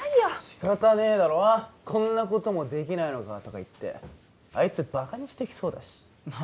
しかたねえだろこんなこともできないのかとか言ってあいつバカにしてきそうだしま